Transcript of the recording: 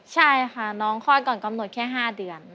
ใช่ค่ะน้องคลอดก่อนกำหนดแค่๕เดือน